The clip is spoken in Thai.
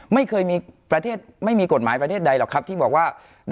ไม่เคยมีประเทศไม่มีกฎหมายประเทศใดหรอกครับที่บอกว่า